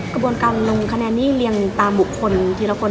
กระบวนการลงคะแนนหนี้เรียงตามบุคคลทีละคน